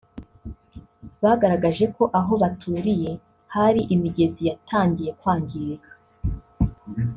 bagaragaje ko aho baturiye hari imigezi yatangiye kwangirika